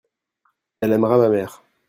elle aimera ma mère.